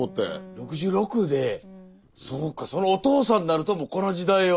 ６６でそうかそのお父さんになるともうこの時代を。